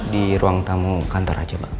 di ruang tamu kantor aja pak